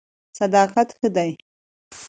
صداقت ښه دی.